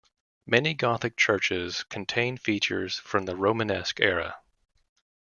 Many gothic churches contain features from the romanesque era.